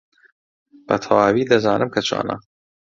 بەتەواوی دەزانم کە چۆنە.